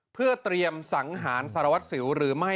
เพื่อเตรียมสังหารสารวัตรสิวหรือไม่